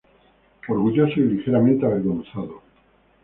Orgulloso y ligeramente avergonzado.